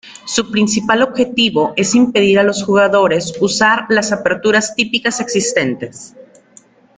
Su principal objetivo es impedir a los jugadores usar las aperturas típicas existentes.